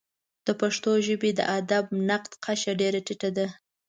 د پښتو ژبې د ادبي نقد کچه ډېره ټیټه ده.